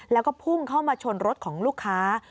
แล้วก็พุ่งเข้ามาชนรถของลูกค้า